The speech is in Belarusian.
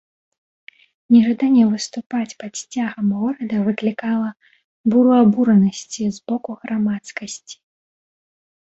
Нежаданне выступаць пад сцягам горада выклікала буру абуранасці з боку грамадскасці.